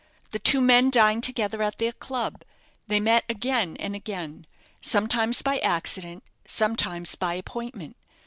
The two men dined together at their club; they met again and again; sometimes by accident sometimes by appointment.